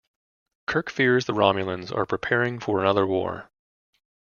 Kirk fears the Romulans are preparing for another war.